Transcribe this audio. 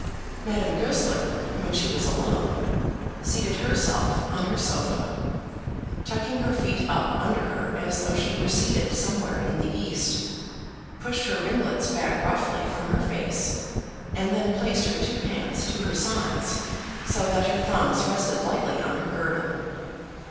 Madame Goesler, when she was alone, seated herself on her sofa, tucking her feet up under her as though she were seated somewhere in the East, pushed her ringlets back roughly from her face, and then placed her two hands to her sides so that her thumbs rested lightly on her girdle.